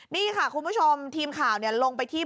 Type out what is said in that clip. นี่ค่ะคุณผู้ชมทีมข่าวลงไปที่